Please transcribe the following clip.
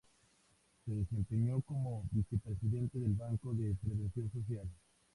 Se desempeñó como Vicepresidente del Banco de Previsión Social.